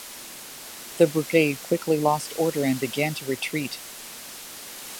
The brigade quickly lost order and began to retreat.